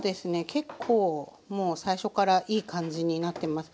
結構もう最初からいい感じになってます。